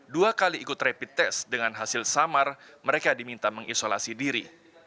dua kali ikut rapid test dengan hasil samar mereka diminta mengisolasi diri